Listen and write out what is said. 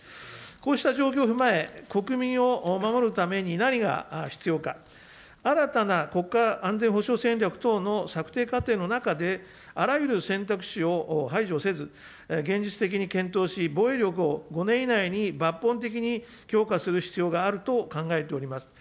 こうした状況を踏まえ、国民を守るために何が必要か、新たな国家安全保障戦略等の策定過程の中で、あらゆる選択肢を排除せず、現実的に検討し、防衛力を５年以内に抜本的に強化する必要があると考えております。